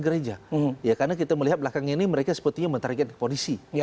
karena kita melihat belakang ini mereka sepertinya menarget polisi